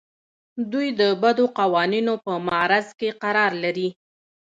دوی د بدو قوانینو په معرض کې قرار لري.